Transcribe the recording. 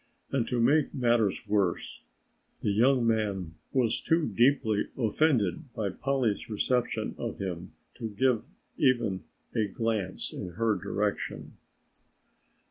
And to make matters worse the young man was too deeply offended by Polly's reception of him to give even a glance in her direction.